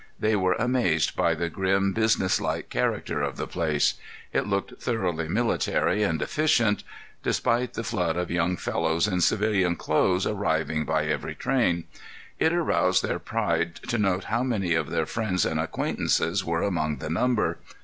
They were amazed by the grim, business like character of the place; it looked thoroughly military and efficient, despite the flood of young fellows in civilian clothes arriving by every train; it aroused their pride to note how many of their friends and acquaintances were among the number.